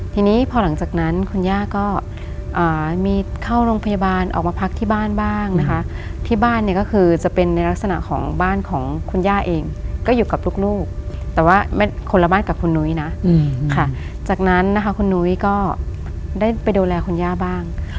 ทีนี้พอหลังจากนั้นคุณย่าก็มีเข้าโรงพยาบาลออกมาพักที่บ้านบ้างนะคะที่บ้านเนี่ยก็คือจะเป็นในลักษณะของบ้านของคุณย่าเองก็อยู่กับลูกแต่ว่าคนละบ้านกับคุณนุ้ยนะค่ะจากนั้นนะคะคุณนุ้ยก็ได้ไปดูแลคุณย่าบ้าง